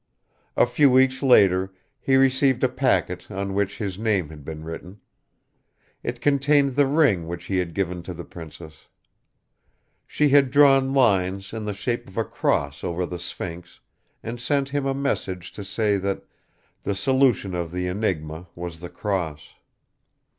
A few weeks later he received a packet on which his name had been written; it contained the ring which he had given to the princess. She had drawn lines in the shape of a cross over the sphinx and sent him a message to say that the solution of the enigma was the cross.